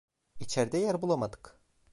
İçeride yer bulamadık.